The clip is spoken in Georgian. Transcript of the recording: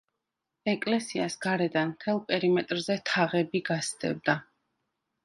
ეკლესიას გარედან მთელ პერიმეტრზე თაღები გასდევდა.